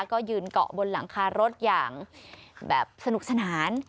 ก็ยืนเกาะบนหลังคารถอย่างแบบสนุกสนาน